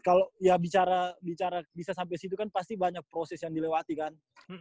kalau ya bicara bisa sampai situ kan pasti banyak proses yang dilewati kan